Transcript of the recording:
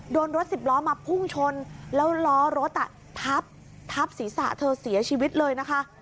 รถสิบล้อมาพุ่งชนแล้วล้อรถทับศีรษะเธอเสียชีวิตเลยนะคะ